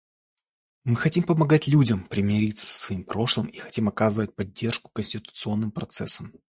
Мы хотим помогать людям примириться со своим прошлым и хотим оказывать поддержку конституционным процессам.